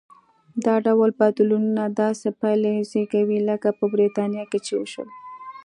دا ډول بدلونونه داسې پایلې زېږوي لکه په برېټانیا کې چې وشول.